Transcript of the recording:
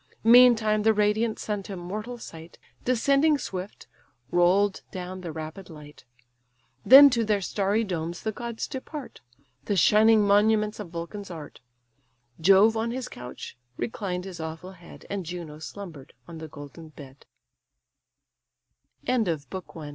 Meantime the radiant sun to mortal sight Descending swift, roll'd down the rapid light: Then to their starry domes the gods depart, The shining monuments of Vulcan's art: Jove on his couch reclined his awful head, And Juno s